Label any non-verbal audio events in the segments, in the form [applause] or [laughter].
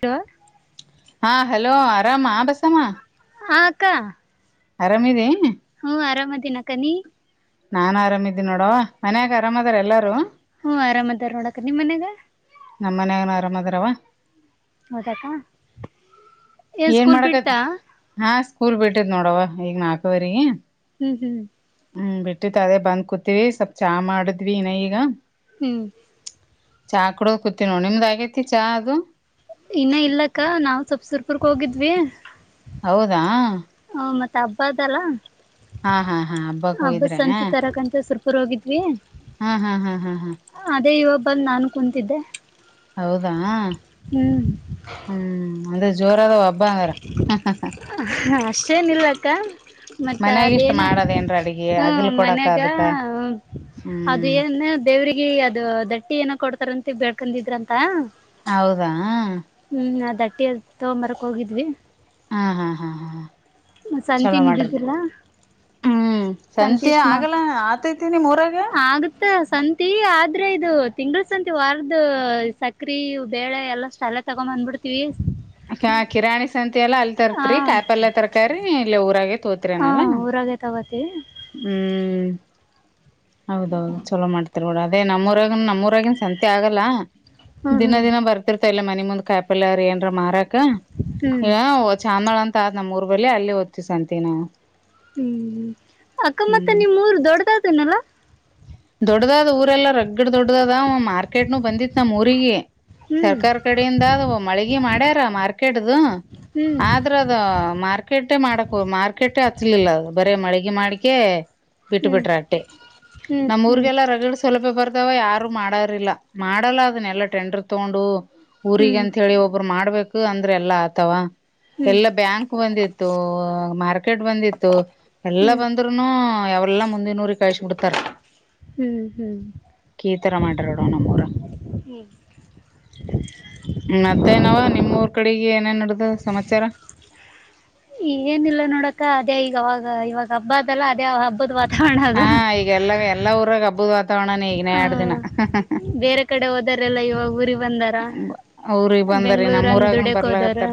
ಟ್ಟ ಹಾ ಹಲೋ ಆರಾಮಾ ಬಸ್ಸಮ್ಮ ಆಕ್ಕ ಆರಾಮದ ಹ್ಮ್ ಆರಾಮದಿನಕ ನೀ ನಾ ಆರಾಮ ಇದೀಿ ನೋಡೋ ಮನ್ಯಾಗ ಆರಾಮದಾರ ಎಲ್ಲಾರು ಹ್ಮ್ ಆರಾಮ್ದಾರ ನೋಡಕ ನಿಮ್ಮ ಮನ್ಯಾಗ ನಮ್ಮ ಮನಯ ಆರಾಮದಾರವ ಹೌದಾಕ್ಕ ಏನ್ ಸ್ಕೂಲ್ ಬಿಡ್ತಾ ಹಾ ಸ್ಕೂಲ್ ಬಿಟ್ಟಿದ್ ನೋಡವ ಈಗ ನಾಲ್ಕವರೆಗ ಹ್ಮ್ ಹ್ಮ್ ಹ್ಮ್ ಬಿಟ್ಟಿತ್ ಅದೇ ಬಂದ್ ಕುೂತಿೀವಿ ಸ್ವಲ್ಪ್ ಚಾ ಮಾಡಿದ್ವಿ ಇನ್ನ ಈಗ ಹ್ಮ್ ಚಾ ಕುಡೋದ ಕುೂತವಿ ನೋ ನಿಮ್ದ್ ಆಗೇತಿ ಚಾ ಅದು ಇನ್ನ ಇಲ್ಲಕ್ಕ ನಾವು ಸೊಪ್ಸೂರ್ಪುರ್ಕ್ ಹೋಗಿದ್ವಿ ಹೌದಾ ಹ ಮತ್ತೆ ಹಬ್ಬ್ದಲ್ಲ ಹಾ ಹಾ ಹಾ ಹಬ್ಬಕ್ ಹಬ್ಬಸ್ ಹೋಗಿದ್ರೆ ಸಂತ ತರಕಂತ ಸುರ್ಪುರ್ ಹೋಗಿದ್ವಿ ಹ್ಮ್ ಹ್ಮ್ ಹ ಹ್ಮ್ ಹ್ಮ ಅದೇ ಇವಾಗ ಬಂದು ನಾನು ಕುೂಂತಿದ್ದೆ ಹೌದಾ ಹ್ಮ ಅಂದ್ರೆ ಜೋರಾದ ಹಬ್ಬ ಅಂಗಾರ ಹ ಅಷ್ಟೇನಲ್ವಕ್ಕ ಮತ್ತ ಮನ್ಯಾಗ ಇಷ್ಟ್ ಅದೇನು ಮಾಡದೇನ್ರ ಅಡಗೆ ಅಗಲ್ ಕೊಡಕ ಮನ್ಯಾಗ ಅದಕ್ಕ ಅದು ಹ್ಮ್ ಏನ್ ದೇವ್ರಿಗೆ ಅದು ದಟ್ಟಿ ಏನ ಕೊಡ್ತಾರಂತ ಬೆೇಳ್ಕೊಂಡಿದ್ರಂತ ಹೌದಾ ಹ್ಮ್ ನ ದಟ್ಟಿ ತಗೊ್ಂಬರಕ್ ಹೋಗಿದ್ವಿ ಹಾ ಹಾ ಹಾ ಹಾ ಸಂತಿ ಚಲೋ ಮಾಡ್ರಿ ನಿದ್ದಿದ್ದರಾ ಹ್ಮ್ ಸಂತೆ ಆಗಲ್ಲ ಆತೈತಿನಿ ಊರಾಗ ತ್ತ ಸಂತಿ ಆದ್ರೆ ಇದು ತಿಂಗಗಳ ಸಂತಿ ವಾರ್ದ ಸಕ್ರೆ ಬೇಳೆ ಎಲ್ಲ ಸಾಲ ತಗೊ ಬಂದ್ಬಿಡ್ತೀವಿ ಕಿರಾಣಿ ಸಂತೆ ಅಲ್ಲಾ ಅಲ್ಲಿ ಹ ತರ್ತ್ರಿ ಕಾಯಿ ಪಲ್ಯ ತರ್ಕ್ರರಿ ಇಲ್ಲ ಊರಾಗೆ ಹ ತೋತ್ರಿನಲ್ಲ ಊರಾಗೆ ತಗೋತಿವಿ ಹ್ಮ್ ಹೌದೌದು ಚಲೋ ಮಾಡ್ತಿರ್ೂಡ ಅದೇ ನಮ್ಮೂಊರಗನ್ ನಮ್ಮೂಊರಾಗಿನ್ ಸಂತೆ ಆಗಲ್ಲ ಹ್ಮ್ ದಿನ ದಿನ ಬರ್ತಿರ್ತ ಇಲ್ಲ ಮನಿ ಮುಂದ್ ಕಾಯಪಲ್ಲಾರ ಏನ್ರ ಮಾರಾಕ ಹ್ಮ್ ಚಾಮಳ ಅಂತ ಆದ್ ನಮ್ಮ ಊರ್ ಬಳಿ ಅಲ್ಲಿ ಓದ್ತ್ಂತ ನಾವು ಹ್ಮ್ ಅಕ್ಕ ಮತ್ತ ಹ್ಮ್ ನಿಮ್ ಮೂರು ದೊಡ್ಡದತನಲ್ಲಾ ದೊಡದ ಅದ್ ಊರೆಲ್ಲ ರಗ್ಗಡ ದೊಡ್ಡ್ದದ ಮಾರ್ಕೆಟ್ನು ಬಂದಿತ್ ನಮ್ಮ ಊರಿಗೆ ಹ್ಮ್ ಸರ್ಕಾರ ಕಡೆಯಿಂದಾದ ಮಳಗಿ ಮಾಡ್ಯಾರ ಮಾರ್ಕೆಟ್್ದ ಹ್ಮ್ ಆದ್ರ ಅದ ಮಾರ್ಕೆಟೇ ಮಾಡಕ್ ಮಾರ್ಕೆಟೇ ಹಚ್ಲಿಲ್ಲ ಬರೇ ಮಳಿಗೆ ಮಾಡಿಕೆ ಬಿಟ್ಟ ಹ್ಮ್ ಬಿಟ್ರ ಅಟ್ಟೆ ಹ್ಮ್ ನಮ್ಮ್ ಹ್ಮ್ ಊರ್ಗೆಲ್ಲಾ ರಗಳಗಳಸ ಸ್ವಲಭ ಬರ್ತಾವ ಯಾರು ಮಾಡಾರಿಲ್ಲ ಮಾಡಲ್ಲ ಅದನ್ನೆಲ್ಲಾ ಟೆಂಡರ್ ತಗೊಂಡು ಹ್ಮ್ ಹ್ಮ್ ಊರಿಗೆಂತ ಹೇಳಿ ಒಬ್ಬರು ಮಾಡ್ಬೇಕು ಅಂದ್ರೆ ಎಲ್ಲಾ ಆತಾವ ಎಲ್ಲ ಬ್ಯಾಂಕ್ ಬಂದಿತ್ತು ಮಾರ್ಕೆಟ್ ಬಂದಿತ್ತು ಎಲ್ಲ ಹ್ಮ್ ಹ್ಮ್ ಬಂದ ಅವಲ್ಲ ಮುಂದಿನೂರಿಗೆ ಕಳ್ಸ ಬಿಿಡ್ತಾರೆ ಹ್ಮ್ ಹ್ಮ್ ಕ ತರ ಮಾಡರೋಡು ನಮ್ಮೂರ ಹ್ಮ ಮತ್ತೆನವ ನಿಮ್ಮ್ ಊರ್ ಕಡೆ ಏನೇನ್ ನಡ್ದ ಸಮಾಚಾರ ಏನಿಲ್ಲ ನೋಡಕ ಅದೇ ಈಗ ಅವಾಗ ಇವಾಗ ಹಬ್ಬ ಅದಲ್ಲ ಅದೇ ಹಬ್ಬದ ವಾತಾವರಣ ಅದ ಹಾ ಈಗಲ್ಲ ಎಲ್ಲಾ ಊರಾಗ ಹಬ್ಬದ್ ವಾತಾವರಣನ ಈಗನೇ ಆ, ಎರಡ್ ದಿನ ಬೇರೆ ಕಡೆ ಹೋದರೆಲ್ಲ ಇವಾಗ ಊರಿಗೆ ಬಂದಾರ ಊರಿಗ್ ಬಂದಾರಿ ಬೆಂಗ್ಳೂರು ಹಂಗೆ ನಮ್ಮೂರಾಗನ್ ದುಡ್ಯಕ್ಕೆ ಹೋದಾರ ಬರ್ಲಾಗತ್ತಾರ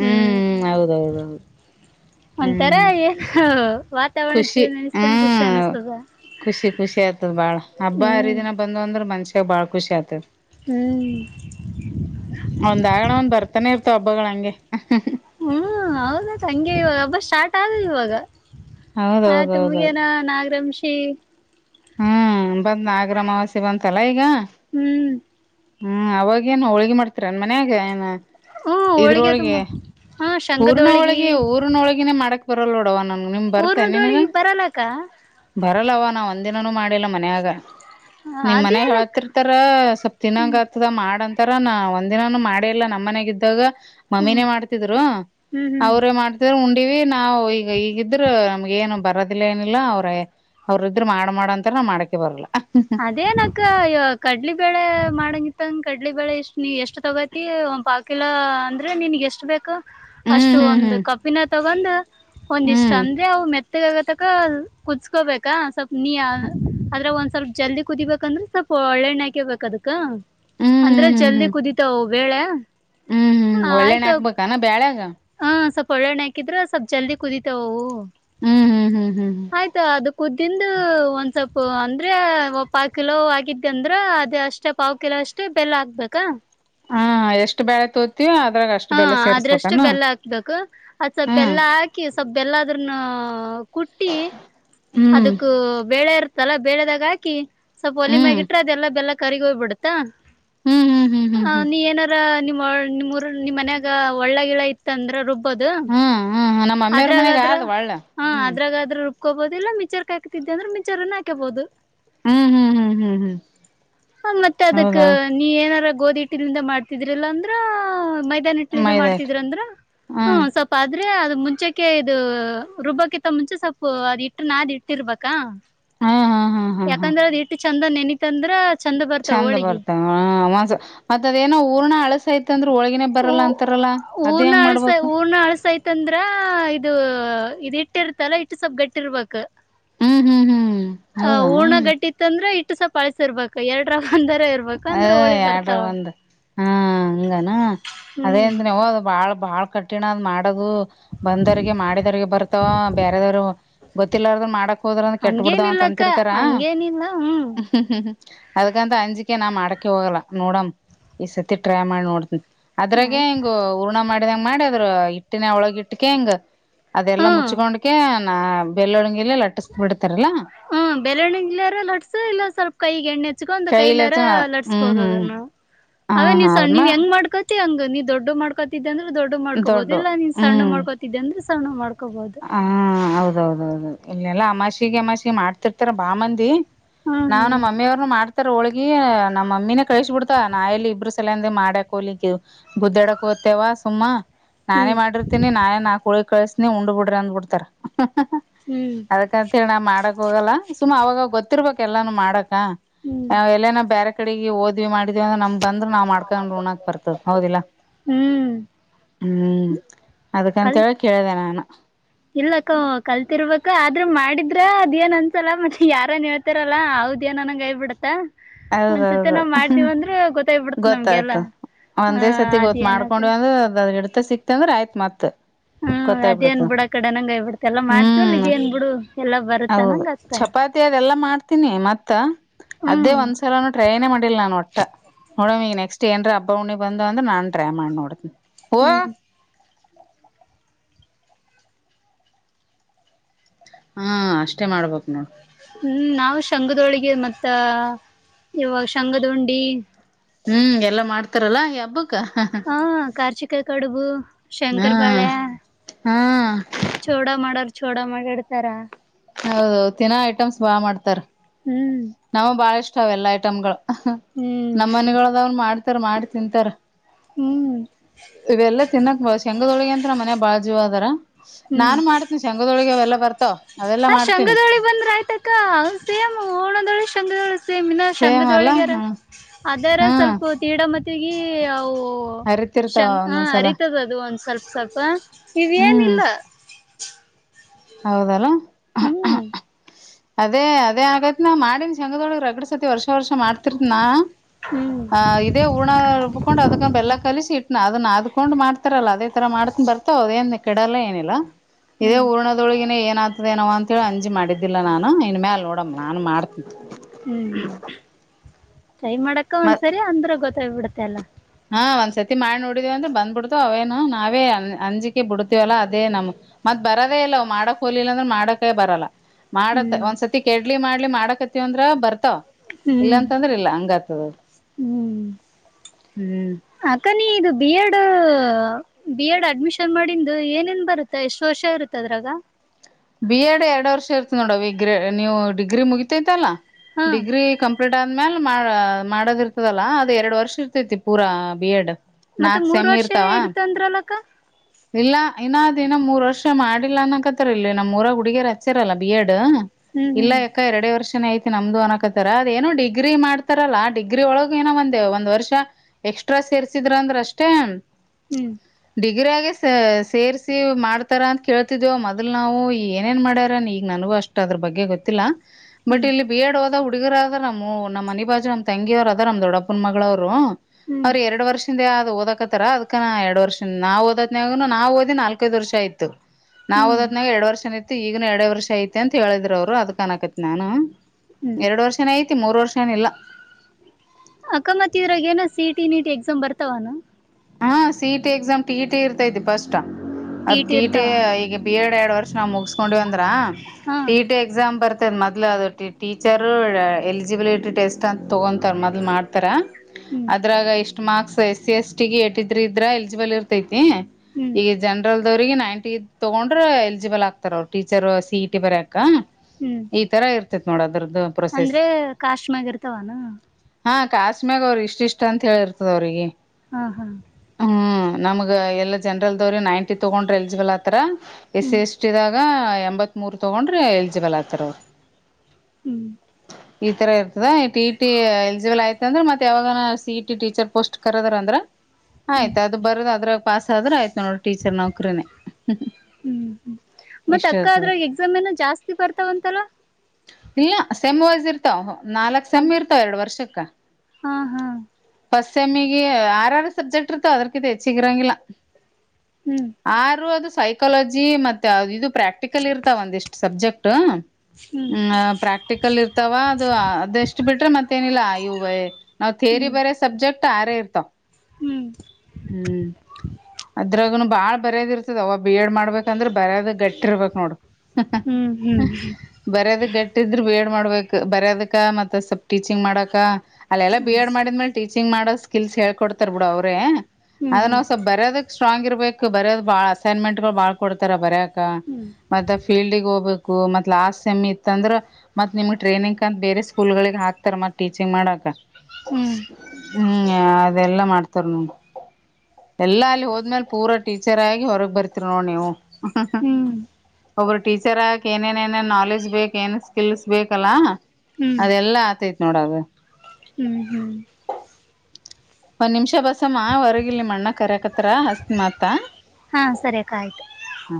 ಹ್ಮ್ ಹೌದೌದೌದು ಒಂತರ ಹ್ಮ್ ಏನು ವಾತಾವರಣ ಖುಷಿ ಚೇಂಜ್ ಅನಿಸ್ತಾನೆ ಖುಷಿ ಹ್ಮ್ ಅನಿಸ್ತದ ಖುಷಿ ಖುಷಿ ಆಗ್ತದ ಬಾಳ ಹಬ್ಬ ಹ್ಮ್ ಹರಿದಿನ ಬಂದು ಅಂದ್ರ ಮನ್ಷಾಗ ಬಾಳ್ ಖುಷಿ ಆಯತದೆ ಹ್ಮ್ ದಣ ಬತ ತಾನೇ ಇರ್ತವ ಹಬ್ಬಗಳ ಹಂಗೆ ಹ್ಮ್ ಹೌದ ಹಂಗೆ ಇವಾಗ ಹಬ್ಬ ಸ್ಟಾರ್ಟ್ ಆದದು ಇವಾಗ ಆ ಹೌದೌದೌದೌದು ತುಮಗೆನ ನಾಗರಂಷಿ ಹ್ಮ್ ಬಂದ ಆಗರಮವಾಸ್ಯೆ ಬಂತಲ್ಲ ಈಗ ಹ್ಮ್ ಹ್ಮ್ ಅವಾಗೇನು ಹೋಳ್ಗಿ ಮಾಡ್ತೀರನ್ ಮನ್ಯಾಗ ಏನ ಹ್ಮ್ ಹೋಳಿಗೆ ಇದ್ರೊಳಗೆ ತುಂಬಾ ಹಾ ಊರ್ನ ಶಂಗದೊಳಗಿ ಒಳಗೆ ಊರ್ನ ಒಳಗಿನೇ ಮಾಡಕ್ ಬರಲ್ ನೋಡವ ನ ನಿಮ ಬರ್ತೆೇ ನಿನಗ ಊರ್ನದೊಳಗಿ ಬರಲ್ಲಕ್ಕ ಬರಲ್ಲವ ನಾ ಒಂದಿನನುೂ ಮಾಡಿಲ್ಲ ಮನ್ಯಾಗ ಹ ನಿಮ ಮನ ಅದೇನಕ್ಕ ಹೇತ್ರಿ ಆತರ ಸ್ವಲ್ಪ್ ತಿಿನಂಗ ಆತ್ತದ ಮಾಡಂತಾರ ನ ಒಂದ್ ದಿನಾನ ಮಾಡಲ್ಲ ನಮ್ಮ ಮನೆಗ ಇದ್ದಾಗ ಹ್ಮ್ ಮಮ್ಮಿನೇ ಮಾಡ್ತಿದ್ರು ಹ್ಮ್ ಹ್ಮ್ ಅವ್ರೇ ಮಾಡ್ತ ಉಂಡಿವವಿ ನಾವು ಈಗ ಈಗಿದ್ರ ನಮ್ಗ ಏನು ಬರೋದಿಲ್ಲ ಏನಿಲ್ಲ ಅವ್ರ ಅವ್ರ ಇದ್ ಮಾಡ ಅಂತ ನಾವ್ ಮಾಡಕೆ ಬರಲ್ಲ ಅದೇ ನಕ ಕಡಲಿಬೇಳೆ ಮಾಡಂಗ ಇತ್ತಂಗ ಕಡಲಿಬೇಳೆ ಎಷ್ಟ್ ನೀ ಎಷ್ಟು ತಗೋ ಒ್ ಪಾಕಿಲಾ ಅಂದ್ರೆ ನಿನ್ಗೆ ಎಷ್ಟ್ ಬೇಕು ಹ್ಮ್ ಅಷ್ಟು ಹ್ಮ್ ಒಂದು ಹ್ಮ್ ಕಪ್ಪಿನ ತಗೊಂಡ್ ಒಂದಿಷ್ಟ ಹ್ಮ್ ಅಂದ್ರೆ ಅ ಮೆತ್ತ ತ್ತಗ ಆಗತಕ್ಕ ಕುದಕೋಬೇಕಾ ಸ್ವಲ್ಪ ನೀ ಅದ್ರ ಒಂದ್ ಸ್ವಲ್ಪ ಜಲ್ದಿ ಕುದಿಬೇಕಂದ್ರೆ ಸ್ವಲ್ಪ ಒಳ್ಳೆಣ್ಣ ಹಾಕಿಬೇಕ ಅದಕ್ಕ ಹ್ಮ್ ಹ್ಮ್ ಅಂದ್ರೆ ಹ್ಮ್ ಹ್ಮ್ ಜಲ್ದಿ ಹ್ಮ್ ಕುದಿತಾವ ಬೇಳೆ ಹ್ಮ್ ಹ ಹ್ಮ್ ಒಳ್ಳೆಣ್ಣ ಆಯ್ತಾವ ಹಾಕ್ಬೇಕಾನ ಬ್ಯಾಳ್ಯಾಗ ಹಾ ಸ್ವಲ್ಪ ಒಳ್ಳರಣೆ ಹಾಕಿದ್ರೆ ಸ್ವಲ್ಪ್ ಜಲ್ದಿ ಕುದಿತಾವವು ಹ್ಮ್ ಹ್ಮ್ ಹ್ಮ್ ಹ್ಮ್ ಹ್ಮ್ ಆಯ್ತಾ ಅದ ಕುದ್ದಂದು ಒಂದ್ ಸೊಪ್ ಅಂದ್ರೆ ಪಾ ಕಿಲೋ ಆಗಿದ ಅಂದ್ರ ಅದ ಅಷ್ಟೇ ಪಾವು ಕಿಲೋ ಅಷ್ಟೇ ಬೆಲ್ಲ ಹಾಕ್ಬೇಕಾ ಹಾ ಎಷ್ಟು ಬಳೆ ತೋತತಿವಿ ಅದ್ರಾಗ ಅಷ್ಟು ಹಾ ಬೆಲೆ ಅದ್ರಷ್ಟು ಸೇರ್ಸ್ಬೇಕಾನ ಬೆಲ್ಲ ಹಾಕ್ಬೇಕು ಅದ್ ಸ್ವಲ್ಪ ಹ್ಮ್ ಬೆಲ್ಲ ಹಾಕಿ ಾಕಿ ಸ್ವ ಎಲ್ಲದನ್ನ ಕುಟ್ಟಿ ಹ್ಮ್ ಅದಕ್ಕ ಬೆಳೆ ಇರ್ ಲಾ ಬೇಳೆದಾಗ ಹಾಕಿ ಸ್ವಲ್ಪ ಹೊಲಿಮೈ ಹ್ಮ್ ಇಟ್ರೆ ಅದೆಲ್ಲಾ ಬೆಲ್ಲ ಕರಿಗ ಹೋಗಯ್ಬಿಡುತ್ತಾ ಹ್ಮ್ ಹ್ಮ್ ಹ್ಮ್ ಹ್ಮ್ ಹ ಹ್ಮ್ ನೀ ಏನಾರ ನಿಮ್ಮ ನಿಮ್ಮರ ನಿಮ್ ಮನ್ಯಾಗ ಒಳ್ಳ ಗಿಳ ಇತ್ತಂದ್ರೆ ರೊಬ್ಬ ಹ್ಮ್ ಹ್ಮ್ ನಮ್ಮ ಮಮ್ಮಿಯವ್ರ ಅ ಮನ್ಯಾಗ ಆದ ಒಳ್ಳ ಹ ಹ್ಮ್ ಹಕೋಬಹದಿಲ್ಲ ಮಿಚರ್ ಕ ಹಾತಿದ್ದ ಅ್ರ ಮಿಚರ್ನ್ನ ಹಾಕೋಬಹುದು ಹ್ಮ್ ಹ್ಮ್ ಹ್ಮ್ ಹ್ಮ್ ಹ್ಮ್ [inaudible] ಹ ಮತ್ತೆ ಅದಕ್ಕೆ ಹೌದಾ ನೀ ಏನಾರ ಗೋಧಿಟ್ಟಲಿಂದ ಮಾಡ್ತಿದ್ರಲ್ಲ ಅಂದ್ರ ಇಟ್ ಇಲ್ಲಾಂದ್ರೆ ಮೈದಾ ಹಿಟ್ ಮಾಡ್ತಿದ್ರ ಅಂದ್ರ ಹಾ ಹ್ಮ್ ಆದ್ರೆ ಅದ ಮುಂಚೆಕ ಇದು ರುಬ್ಬಕಿತ್ತ ಮುಂಚೆ ಸ್ವಲ್ಪ ಅದು ಇಟ್ಟು ನಾದ್ ಇಟ್ಟಿರ್ಬೇಕಾ ಹ್ಮ್ ಹ್ಮ್ ಹ್ಮ್ [inaudible] ಹ್ಮ್ ಹ್ಮ್ ಯಾಕಂದ್ರೆ ಅದ್ ಇಟ್ಟು ಚಂದ ನೆನತ್ ಅಂದ್ರ ಚಂದ ಬರ್ತ ಮಸ ಮತ್ತತ್ ಅದೇನೋ ಊರಣ ಅಳಸೈತ ಅಂದ್ರೆ ಒಳಗಿನ ಊ ಊರ್ನ ಅಳ್ಸ ಊರ್ನ ಅಳ್ಸ ಂದ್ರ ಇದು ಇದ್ ಇಟ್ಟಿ ಇರ್ತಲ್ಲ ಇಟ್ಟು ಸ್ವಪ್ ಗಟ್ಟಿ ಇರ್ಬೇಕ ಹ್ಮ್ ಹ್ಮ್ ಹ್ಮ್ ಅ ಹಊಣ ಹೌದಾ ಗಟ್ಟಿತ್ತ ಅಂದ್ರೆ ಇಟ್ಟು ಸವಪ ಅಳ್ಸಿರ್ಬೇಕಕ್ ಎರಡರ ಇರ್ಬೇಕು ಹ ಅಂದ್ರ ಹೋಳಿ ಎಡ್ರ ಬರ್ತಾವ ಒಂದ ಹಾ ಹಂಗಾನ ಅದೇ ಹ್ಮ್ ಅಂದ್ರೆವು ಅದು ಬಾಳ್ ಬಾಳ್ ಕಿಣದ್ ಮಾಡದು ಬಂದರ್ಿಗೆ ಮಾಡಿದರ್ಗೆ ಬರ್ತಾವ ಬೇರೆದವ್ರು ಗೊತ್ತಿಲ್ಲಾರ ಮಾ ಹೋದ್ರಂದ ಕೆಟ್ಟ ಬಿಡ್ದಾವ ಅಂತ ಹಂಗೇನಿಲ್ಲಕ್ಕ ಅಂತಿರ್ತಾರ್ ಹಂಗೇನಿಲ್ಲ ಹ್ಮ್ ಅದ್ಂತ [unintelligible] ಅಂದೊ ನ್ ಆಡಕೆ ಹೋಗಲ್ಲ ನೋಡ ಈ ಸತಿ ಟ್ರೈ ಮಾಡಿ ನೋಡ ಅದ್ರಾಗೆ ಹಾ ಹಿಂಗ ಹೂರ್ಣ ಮಾಡ ಅಂಗ ಮಾಡಿ ಅ್ರ ಇಟ್ಟಿನ ಒಳಗ ಇಟ್ಟಕ ಹಿಂಗ ಅದೆಲ್ಲಾ ಮುಚ್ಕೊಂಡ್ಕ ಹಾ ಬೆಳ್ಳೊಣಗೆಿಲ ಅಟ್ಟಿಸ ಬಿಡ್ತಾರಲ್ಲಾ ಹ್ಮ್ ಬೆಲೇಣ್ಣಂಗ ಇಲ್ಲಾರ ಲಟ್ಸ ಇಲ್ಲ ಕೈಗೆ ಎಣ್ಣೆಚ್ಕೊ ಒಂದ ಕೈಲೆ ಕೈಲಾರ ಹ್ಮ್ ಲಡ್ಸ್ಬಹುದು ಹ್ಮ್ ಅದನ್ನು ಹ ಅವೇ ನೀ್ ಹಾ ಅದ್ಮ ನೀವ್ ಹೆಂಗ್ ಮಾಡ್ಕೋ ಹಂಗ ನೀ ದೊಡ್ ಮಾಡ್ಕೋತಿದ್ದ ಅಂದ್ರೆ ದೊಡ್ ದೊಡ್ಡು ಮಾಡ್ಕೋಬಹುದಿಲ್ಲಲ್ಲ ನೀನ್ ಸಣ್ಣ ಮಾಡ್ಕೋ ಇ ಅಂದ್ರೆ ಸಹ ನಾವು ಮಾಡ್ಕೋಬಹದು ಹ ಹೌದೌದೌದು ಇಲ್ಲೆಲ್ಲಾ ಅಮಾಾಸಿಗೆ ಅಮಾಾಸಿ ಮಾಡ್ತಿರ್ತಾರ ಬಾ ಮಂದಿ ನಾ ನಮ್ಮ ಹ್ಮ್ ಮಾಮ್ಮಿಯರು ಮಾಡ್ತಾರ ಹೋಳಗಿ ನಮ್ಮ ಮಮ್ಮಿನೇ ಕಳ್ಸ ಬಿಿಡ್ತ ನಾ ಎಲ್ಲಿ ಇಬ್್ರ ಸಲಯಂದ ಮಾಡ್ಯಕ್ ಹೊಲಿಕ್ಕೆ ಗುದ್ದ್ಯಾಡಕ್ ಹೊಗ್ತೇವ ಸುಮ್ಮ ನಾನೇ ಹ್ಮ್ ಮಾಡಿರ್ತೀನಿ ನಾೇನ್ ನಾ ಕ ಹಾಲ್ಗಿ ಕಳಸನಿ ಉಂಡ್ ಬಿಡ್ರಿ ಅಂದ್ಬಿಡ್ತಾರ ಹ್ಮ್ ಅದಕಂತ ಹೇಳಿ ನಾ ಮಾಡಕ್ ಹೋಗಲ್ಲ ಸುಮ ಅವಾಗ ಗೊತ್ತಿರ್ಬೇಕ ಎಲ್ಲಾನು ಮಾಡಕ ಹ್ಮ್ ನ ಎಲ್ಲನ ಬ್ಯರೆ ಕಡೆ ಹೋದ್ವಿ ಮಾಡಿದ್ವಿಂದ್ರೆ ನಮ್ ಬಂದ್ರ್ ನಾ್ ಮಾಡ್ಕೊಂಡ ಊಣಾಕ್ ಬರ್ತದೆ ಹೌದಿಲ್ಲಾ ಹ್ಮ್ ಹ್ಮ್ ಅದ್ಕಂತ ಕಲ್ ಹೇಳಿ ಕೇಳಿದೆ ನಾನು ಇಲ್ಲಕ್ಕ ಕಲ್ತಿರ್ಬೇಕ ಆದ್ರೂ ಮಾಡಿದ್ರ ಅದೇಏನ್ ಅನ್ಸಲ್ಲ ಮತ್ತೆ ಯಾರನ್ ಇತರಲ್ಲಾ ಹೌದ್ಯ ನಂಗ ಯ ಬಿಡತ್ತಾ ಒಂದ್ಸತಿ ನಾವ್ ಹೌದೌದು ಮಾಡ್ದಿವವ ಅಂದ್ರ ಗೊತ್ತಾಗಬಿಡ್ತ ನಮ್ಗೆಲ್ಲಾ ಗೊತ್ತಾಯ್ತು ಹ ಒಂದೇ ಸರ್ತಿ ಗೋತ್ ಅದೇನಾಗಲ್ಲ ಮಾಡ್ಕೊಂಡವಿ ಅಂದ್ರ ಅದ ಅದ್ ಇಡತ ಸಿಕ್ತೆ ಅಂದ್ರ ಆಯ್ತ್ ಮತ್ ಹ್ಮ್ ಅದೇನ್ ಗೊತ್ತಾಯ್ಬಿಡತ ಬಿಡ್ ಆ ಕಡೆ ನಂಗಗೆ ಯ್ ಬಿಡ್ತ ಎಲ್ಲ ಮಾಡ್ತಿವಲ್ಲ ಹ್ಮ್ ಇದೇಏನ್ ಬಿಡು ಎಲ್ಲ ಬರುತ್ತ ಹೌದು ನಂಗ ಚಪಾತಿ ಅದೆಲ್ಲಾ ಮಾಡ್ತೀನಿ ಮತ್ತ ಅದೇ ಹ್ಮ್ ಒಂದ್ಸಲನು ಟ್ರೈನೇ ಮಾಡಿಿಲ್ಲ ನಾನನ್ ಒಟ್ಟ ನೋಡಮ್ ಈ ನೆಕ್ಸ್ಟ್ ಏನ್ರ ಹಬ್ಬ ಉಣ್ಣಿ ಬಂದ್ರ ನಾನ್ ್ರೈ ಮಾಡ ನೋಡ ಹ್ಮ್ [unintelligible] ಹ್ಮ ಅಷ್ಟೇ ಮಾಡ್ಬೇಕೇಕ್ ನೋಡ್ ಹ್ಮ್ ನಾವು ಶಂಗದೋಳಗೆ ಮತ್ತ ಇವಾಗ ಶಂಗದಂಡಿ ಹ್ಮ್ ಎಲ್ಲಾ ಮಾಡ್ತಾರಲ್ಲಾ ಹಬ್ಬಕ್ ಹಾ ಕಾರ್ಶಿಕ ಕಡುಗು ಹಾ ಶಂಕರ ಪಾಳ್ಯ ಹಾ ಚೋಡ ಮಾಡೋರ್ ಚೋಡ ಮಾಡಿಡ್ತಾರ ಹೌದ ಟೀನಾ ಐಟಮ್ಸ್ ಬಾಳ್ ಮಾಡ್ತಾರ ಹ್ಮ್ ನಮ ಬಾಳ ಇಷ್ಟ ಅವ ಎಲ್ಲಾ ಐಟಮ್ಗಳು ಹ್ಮ್ ನಮ್ಮ ಮನೆಗಳದವ್ರು ಮಾಡ್ತಾರ ಮಾಡಿ ತಿಂತಾರ ಹ್ಮ್ ಇವೆಲ್ಲ ತಿನ್ನಕ್ ಬ ಶೇಂಗದೊಳಗೆ ಅಂತ ಮನೆ ಬಾಜು ಅದಾರ ಹ್ಮ್ ನಾನು ಮಾಡ್ತನಿ ಶೆಂಗದೊಳಗೆ ಅವೆಲ್ಲ ಬತೋ ಅದೆಲ್ಲಾ ಮಾಡ್ ಶಘದೋಳಿ ಬಂದ್ರ ಆ್ತತಿ ಅ ಸೇಮ್ ಹಓಣದೋಳಿ ಶಂದೋಳು ಸೇಮ್ ಇನ್ನ ಸೇಮ್ ಅಲ್ಲ ಶಂಂಗದೊಳಿಗಾರ ಹ್ಮ ಅದರ ಹ್ಮ್ ಸ್ವಲ್ಪ ತೀಡ ಮತ್ತಗ ಅವು ಹರಿತಿರ್ತಾವ ಶಂ ಹ ಒಂದೊಂದ್ಸಲ ಅರಿತದ ಅದು ಒಂದ್ ಸ್ವಲ್ಪ ಸ್ವಲ್ಪ ಇವ ಹ್ಮ್ ಏನಿಲ್ಲ ಹೌದಲ್ಲ ಹ್ಮ್ ಅದೇ ಅದೇ ಆಗೈತ್ ನ ಮಾಡಿನ್ ಶಂಗದೊಳಗಗ್ ರಗಡ ತಿ ವರ್ಷ ವರ್ಷ ಮಾಡ್ತಿರ್ದ್ನಾ ಹ್ಮ್ ಇದೇ ಹಊಣ ರುಬ್ಕೊಂಡು ಅದಕ್ಕ ಬೆಲ್ಲ ಕಲಿಸಿ ಇಟ್ನ ಅದನ್ನ ಅ್ಕೊಂಡು ಮಾಡ್ತಾರಲ್ಲ ಅದೇ ತರ ಮಾಡ್ಕ ಬರ್ತಾವ ಅದೇನ್ ಕೆಡಲ್ಲ ಏನಿಲ್ಲ ಇದೇ ಹ್ಮ್ ಊರ್ದ- ಅೊಳಗಿನ ಏನ್ ಆತದೇನೋ ಅಂತೇಳಿ ಅಂಜಿ ಮಾಡಿದ್ದಿಲ್ಲ ನಾನು ಇನ್ ಮೇಾಲ ನೋಡಮ್ಮ ನಾನನ್ ಮಾಡ್ತನಿ ಹ್ಮ್ ಟ್ರೈ ಮಾಡಕ ಮತ್ ಒಂದ್ಸರಿ ಅಂದ್ರೆ ಗೊತ್ತಾಗಬಿಡತ್ತೆ ಅಲ್ಲ ಹಾ ಒಂದ್ಸರ್ತಿ ಮಾಡಿ ನೋಡಿದಿವವಿ ಅಂದ್ರ ಬಂದ್ಬಿಡ್ತವ ಅವೇನು ನಾವೇ ಅಂಜಿಕೆ ಬಿಡ್ತೀವಲ್ಲಾ ಅದೇ ನಮ್ ಮತ್ ಬರದೇ ಇಲ್ಲ ಅವ್ ಮಾಡಕ್ ಹೋಲಿಲ್ಲ ಅಂದ್ರೆ ಮಾಡಕ ಬರಲ್ಲ ಮಾಡತ್ ಹ್ಮ್ ಒಂದ್ಸತಿ ಕೆಡ್ಲಿ ಮಾಡ್ಲಿ ಮಾಡಕತಿವ ಅಂದ್ರ ಬರ್ತಾವ ಇಲ್ಲ ಹ್ಮ್ ಅಂತಂದ್ರ ಇಲ್ಲ ಹಂಗ ಆತದ ಹ್ಮ್ ಹ್ಮ್ ಅಕ್ಕ ನೀ ಇದು B Ed B Ed admission ಮಾಡಂದು ಏನೇನ್ ಬರುತ್ತಾ ಎಷ್ಟು ವರ್ಷ ಇರುತ್ತೆ ಅದ್ರಾಗ ಬಿ ಎಡ್ ಎರಡು ವರ್ಷ ಇರ್ತಿ ನೋಡ ಅವ ಗ್ರ ನೀವು ಡಿಗ್ರಿ ಮುಗಿತೈತಲ್ಲಾ ಹಾ ಡಿಗ್ರಿ ಕಂಪ್ ಕಂಪ್ಲೀಟ್ ಆದ್ಮೇಲೆ ಮಾಡದ ಇರ್ತದಲ್ಲಾ ಅದು ಎರಡು ವರ್ಷ ಇರ್ತೈತಿ ಪೂರಾ ಬಿ ಎಡ್ ಮತ್ತ ನಾಕ್ ಮೂರ್ ಸೆಮ್ ವರ್ಷ ಇರ್ತಾವ ಇರ್ತ ಅಂದ್ರಲಕ್ಕ ಇಲ್ಲ ಇನ್ನಾದ್ ಇನ್ನ ಮೂರ್ ವರ್ಷ ಮಾಡಿಲ್ಲ ಅನ್ನಕತ್ತರಿ ಇಲ್ಲಿ ನಮ್ಮ್ೂಊ ಹುಡುಗಿಯರ್ ಹಚ್ಚಿರಲ್ಲ ಬಿ ಎಡ್ ಹ್ಮ್ ಇಲ್ಲಾ ಯ ಅ ಎರಡೇ ವರ್ಷನ ಐತಿ ನಮ್ದು ಅನಕತರ ಅದೇನು ಡಿಗ್ರಿ ಮಾಡ್ತಾರಲ್ಲಾ ಡಿಗ್ರಿ ಒಳಗ ಏನೋ ಒಂದೆ ಒಂದ್ ವರ್ಷ ಎಕ್ಸ್ಟ್ರಾ ಸೇರ್ಸಿದ್ರ ಅಂದ್ರ ಅಷ್ಟೇ ಹ್ಮ್ ಡಿಗ್ರಿ ಆಗೆ ಸೇರ್ಸಿ ಮಾಡ್ತಾರ ಅಂತ ಕೇಳ್ತಿದವ ಮತ್ತ ಅದಲ್ ನಾವು ಏನೇನ್ ಮಾಡ್ಯಾರ ಈಗ ನನಗೂ ಅಷ್ಟ್ ಅದ್ರ ಬಗ್ಗೆ ಗೊತ್ತಿಲ್ಲ ಬಟ್ ಹ್ಮ್ ಇಲ್ಲಿ ಬಿ ಎಡ್ ಹೋದ ಹುಡುಗರದ ನಮ್ಮವು ನಮ್ಮ ಮನಿ ಬಾಜು ನಮ್ಮ್ ತಂಗಿಯವ್ರ ಅದ ನಮ್ದ ದೊಡಪ್ಪನ್ ಮಗಳವ್ರು ಹ್ಮ್ ಅವ್ರ ಎರಡು ವರ್ಷ ಅ್ ಓದಕತ್ತರ ಅದ್ಕನ ಎಡ್ ವರ್ಷದ ನಾ ಓದತ್ನಾಗ ನಾ ಓದಿ ನಾಲ್ಕೈದು ವರ್ಷ ಆಯತು ಹ್ಮ್ ಹ್ಮ್ ನಾವವುಓದ್ಾಗ ಎರಡ್ ವರ್ಷನ ಇತ್ತು ಈಗನು ಎರಡು ವರ್ಷ ಐತಿ ಅಂತ ಹೇಳಿದ್ರರು ಅವ್ರು ಅದ ಕನ್ಕತಿ ನಾನು ಹ್ಮ್ ಎರಡ್ ವರ್ಷನ ಐತಿ ಮೂರ್ ವರ್ಷನ ಇಲ್ಲ ಅಕ್ಕಮ್ಮತ್ ಇದ್ರಾಗ ಏನೋ ಸಿಟಿ ನೀಟ್ ಎಕ್ಸಾಮ್ ಬರ್ತಾವನು ಹಾ C T exam T T ಇರ್ತಾೈತಿ ಪಫಸ್ಟ್ ಅದ್ ಟಿ ಟಿ ಈಗೆ ಬಿ ಎಡ್ ಎರಡ್ ವರ್ಷ ನಾವು ಮುಗಸ್ಕೊಂಡಿವ ಅಂದ್ರಟ ಹಾ ಟಿ ಎಕ್ಸಾಮ್ ಬರ್ತ ಮದ ಮೊದ್ಲು ಅದು ಟೀಚರ್ರು ಎಲಿಜಿಬಿಲಿಟಿ ಟೆಸ್ಟ್ ಅಂತ ತಗೊಂತಾರೆ ಮೊದ್ಲು ಮಾಡ್ತಾರ ಹ್ಮ್ ಅದ್ರಾಗ ಇಷ್ಟ್ ಮಾರ್ಕ್ಸ್ ಎಸ್ ಸಿ ಎಸ್ ಟಿಗ ಎಟ್ಟಿದ್ರ ಇದ್ರ ಎಲಿಜಿಬಲ್ ಇರ್ತೈತಿ ಹ್ಮ್ ಈ ಜನರಲ್ ದವ್ರಿಗೆ ನೈನ್ಟಿ ತಗೊಂಡ್ರ ಎಲಿಜಿಬಲ್ ಆಗ್ತಾರ ಅವರು ಟೀಚರ್ ಸೀಟ್ ಬರಯಕ ಹ್ಮ್ ಈ ತರ ಇರ್ತಿತ್ ನೋಡ ಅದ್ರದ್ದು ಪ್ರೊಸೆಸ್ ಅಂದ್ರೆ ಕಾಶ್ಮಗ ಇರ್ತವನು ಹಾ ಕಾಸ್್ಮ್ಯಾಗ ಅವ್ರರು ಇಷ್ಟ ಇಷ್ಟ ಅಂತ ಹೇಳಿರ್ತದ ಅವ್ರಿಗೆ ಹಾ ಹಾ ಹ್ಮ್ ನಮಗ ಎಲ್ಲಾ ಜನ್ರಲ್ದವ್ರಿ ನೈಂಟಿ ತಗೊಂಡ್ರ ಎಲಿಜಿಬಲ್ ಆತರ ಎಸ ಹ್ಮ್ ಎಷ್ಟಿದಾಗ ಎಂಬತ್ ಮೂರ್ ತಗೊಂಡ್ರಿ ಎಲಿಜಿಬಲ್ ಆಗ್ತಾರ ಅವರು ಹ್ಮ್ ಈ ತರ ಇರ್ತದ ಟಿ ಇ ಟಿ ಎಲಿಜಿಬಲ್ ಆಯತ ಅಂದ್ರೆ ಮತ್ತತ್ ಯಾವಾಗ ಸಿ ಇಟಿ ಟೀಚರ್ ಪೋಸ್ಟ್ ಕರದರ್ ಅಂದ್ರ ಹ್ಮ್ ಆಯ್ತತ್ ಅದು ಬರದ ಅದ್ರಾಗ ಪಾಸ್ ಆದ್ರೆ ಆಯ್ತ ನೋಡ್ರ ಟೀಚರ್ ನೌಕ್ರನೇ ಹ್ಮ್ ಹ್ಮ್ ಮತ್ತ ಅಕ್ಕ ಇರ್ತದ ಅದ್ರಾಗ ಎಕ್ಸಾಮ್ ಏನ ಜಾಸ್ತಿ ಬರ್ತಾವಂತಲ್ಲಾ ಇಲ್ಲ ಸೆಮ್ಮ್ ವೈಸ್ ಇರ್ತಾವ್ ನಾಲ್ಕ್ ಸೆಮ್ಮ್ ಅದ್ ಇರ್ತಾವ್ ಎರಡು ವರ್ಷಕ್ಕ ಹಾ ಹಾ ಫಸ್ಟ್ ಸೆಮಿಗೆ ಯರ್ಯಾರು ಸಬ್ಜೆಕ್ಟ್ ಇರ್ತಾವ ಅದಕ ಹೆಚ್ಚಗರಂಗಿಲ್ಲ ಹ್ಮ್ ಆರು ಅದು ಸೈ ಕಾಲಜಿ ಮತ್ತೆ ಇದು ಪ್ರಾಕ್ಟಿಕಲ್ ಇರ್ತಾವ ಒಂದಿಷ್ಟ್ ಸಬ್ಜೆಕ್ಟ್ ಹ ಹ್ಮ್ ಪ್ರಾಕ್ಟ ಟಿಕಲ್ ಇರ್ತಾವ ಅದು ಅದೆ ಎಷ್ಟು ಬಿಟ್ರೆ ಮತ್ತೇನಿಲ್ಲ ಇೂ ನಾವ್ ಥೇರಿ ಬರೇ ಸಬ್ಜೆಕ್ಟ್ ಆರೇ ಇರ್ತಾವ ಹ್ಮ್ ಹ್ಮ್ ಅದ್ರಾಗನು ಬಾಳ್ ಬರ್ಯದ್ ಇರ್ತದ ಅವ ಬಿ ಎಡ್ ಮಾಡ್ಬೇಕಂದ್ರೆ ಬರ್ಯದ ಗಟ್ಟಿ ಇರ್ಬೇಕಕ್ ನೋಡು ಹಕ್ಕ ಹ ಹ್ಮ್ ಹ್ಮ್ ಹ್ಮ್ ಹ್ಮ್ ಬರ್ಯದಕ್ ಗಟ್ಟಿದ್ರರು ಬೇಡ್ ಮಾಡ್ಬೇಕಕ್ ಬರ್ಯದಕ್ಕ ಮತ್ತತ್ ಸ್ವಪ್ ಟೀಚಿಂಗ್ ಮಾಡಕ ಅಲ್ಲೆಲ್ಲಾ ಬಿ ಎಡ್ ಹ್ಮ್ ಮಾಡಿದ ಮೇಲೆ ಟೀಚಿಂಗ್ ಮಾಡೋ ಸ್ಕಿಲ್ಸ್ ಹೇಳ್ಕೊಡ್ತಾರ ಬಿಡು ಅವ್ರೇ ಹ್ಮ್ ಅದನ್ನಸವ ಬರ್ಯೋದಕ್ ಸ್ಟ್ರಾಂಗ್ ಇರ್ಬೇಕು ಬರೋದ್ ಬಾಳ್ ಅಸೈನ್ಮೆಂಟ್ ಗಳು ಬಾಳ್ ಕೊಡ್ತಾರ ಬರಯಾಕ ಹ್ಮ್ ಹ್ಮ್ ಹ್ಮ್ ಮತ್ತೆ ಫೀಲ್ಡ್ಗ್ ಹೋಗ್ಬೇಕ ಕು ಮತ್ತ್ ಲಾಸ್ಟ್ ಸೇಮ್ ಇತ್ತಂದ್ರ ಮತ್ ನಿಮ್ಗ್ ಟ್ರೈನಿಂಗ್ ಕಂತ್ ಬೇರೆ ಸ್ಕೂಲ್ ಗಳಗ್ ಹಾಕ್ತಾರ ಮತ್ ಟೀಚಿಂಗ್ ಮಾಡಕ್. ಹ್ಮ್ ಅದೆಲ್ಲ ಮಾಡ್ [unintelligible] ಎಲ್ಲಾ ಅಲ್ಲಿ ಹೋದ್ಮೇಲ ಪೂರಾ ಟೀಚರ್ ಆಗಿ ಹೊರಗ್ ಬರ್ತಿರಿ ನೋಡ್ ನೀವು. [unintelligible] ಹ್ಮ್ ಒಬ್ಬರು ಟೀಚರ್ ಆಗ್ ಏನೇನ್ ಏನ್ ನಾಲೆಜ್ ಬೇಕ್ ಏನ್ ಸ್ಕಿಲ್ಸ್ ಬೇಕಲ್ಲಾ ಹ್ಮ್ ಅದೆಲ್ಲಾ ಆತೈತ್ ನೋಡ ಅದು. ಹ್ಮ್ ಹ್ಮ್ ಒಂದ್ ನಿಮಿಷ ಬಸಮ್ಮ ಹೊರಗಿಲ್ ನಿಮ್ಮ್ ಅಣ್ಣ ಕಾರಕತರ ಹಸ್ತ್ ಮತ್ತ. ಹಾ ಸರಿಯಕ ಆಯ್ತು. ಹ್ಮ